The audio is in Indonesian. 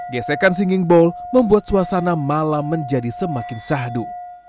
gesekan singing bowl membuat suasana malam menjadi semakin sahdu